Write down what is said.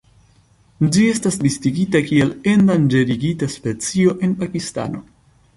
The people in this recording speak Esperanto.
Ĝi estas listigita kiel endanĝerigita specio en Pakistano.